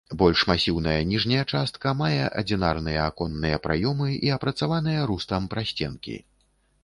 Больш масіўная ніжняя частка мае адзінарныя аконныя праёмы і апрацаваныя рустам прасценкі.